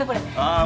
ああ。